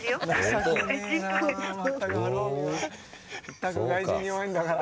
ったく外人に弱いんだから。